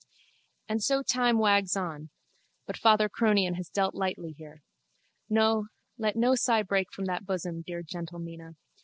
And so time wags on: but father Cronion has dealt lightly here. No, let no sigh break from that bosom, dear gentle Mina.